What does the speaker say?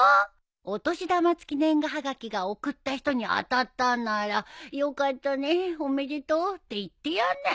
お年玉付年賀はがきが送った人に当たったんなら「よかったねえおめでとう」って言ってやんなよ。